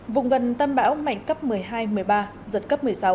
vùng gần tâm bão mạnh cấp một mươi hai một mươi ba giật cấp một mươi sáu